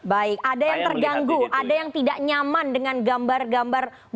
baik ada yang terganggu ada yang tidak nyaman dengan gambar gambar